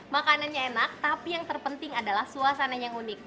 makanannya enak tapi yang terpenting adalah suasananya yang unik